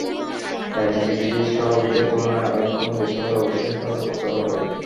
SGPT স্বাভাবিকের তুলনায় আড়াই গুণ বেশি হলে অবশ্যই সজাগ হতে হবে।